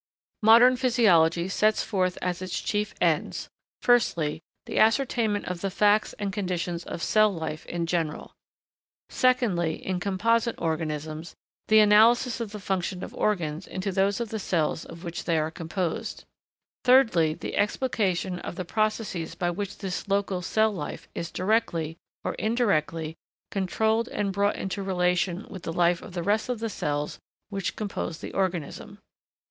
Modern physiology sets forth as its chief ends: Firstly, the ascertainment of the facts and conditions of cell life in general. Secondly, in composite organisms, the analysis of the functions of organs into those of the cells of which they are composed. Thirdly, the explication of the processes by which this local cell life is directly, or indirectly, controlled and brought into relation with the life of the rest of the cells which compose the organism.